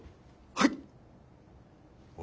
はい。